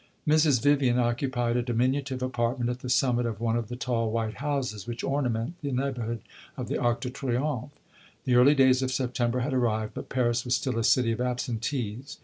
Mrs. Vivian occupied a diminutive apartment at the summit of one of the tall white houses which ornament the neighborhood of the Arc de Triomphe. The early days of September had arrived, but Paris was still a city of absentees.